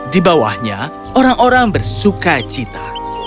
di bawahnya orang orang bersuka cita